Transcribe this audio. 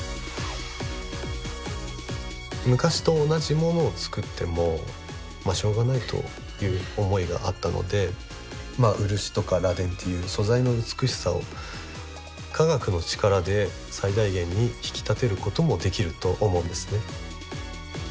昔と同じものを作ってもまあしょうがないという思いがあったので漆とか螺鈿という素材の美しさを科学の力で最大限に引き立てることもできると思うんですね。